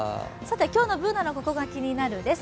今日のＢｏｏｎａの「ココがキニナル」です。